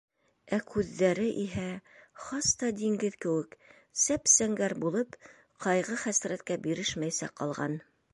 Ә күҙҙәре иһә, хас та диңгеҙ кеүек, зәп-зәңгәр булып, ҡайғы-хәсрәткә бирешмәйсә ҡалған.